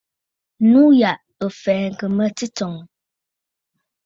Nû yà ɨ̀ fɛ̀ɛ̀ŋkə̀ mə̂ tsɨ̂tsɔ̀ŋə̀.